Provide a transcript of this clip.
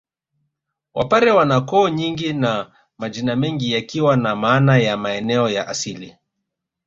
Wapare wana koo nyingi na majina mengi yakiwa na maana ya maeneo ya asili